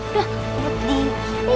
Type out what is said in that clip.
udah ompet di sini